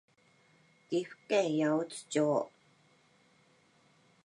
岐阜県八百津町